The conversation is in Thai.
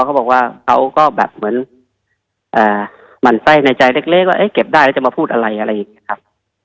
เขาบอกว่าเขาก็แบบเหมือนหมั่นไส้ในใจเล็กว่าเก็บได้แล้วจะมาพูดอะไรอะไรอย่างนี้ครับ